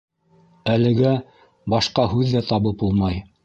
Әлегә башҡа һүҙ ҙә табып булмай.